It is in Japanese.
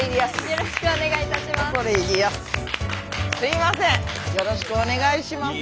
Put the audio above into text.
よろしくお願いします。